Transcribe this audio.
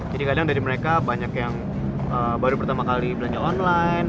jadi kadang dari mereka banyak yang baru pertama kali belanja online